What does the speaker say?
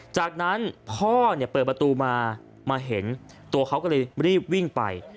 จากนั้นพ่อเปิดประตูมามาเห็นตัวเขาก็เลยรีบวิ่งไป